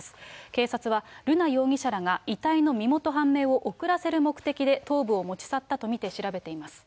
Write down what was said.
警察は、瑠奈容疑者らが遺体の身元判明を遅らせる目的で、頭部を持ち去ったと見て調べています。